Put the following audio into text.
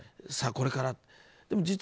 さあ、これからって。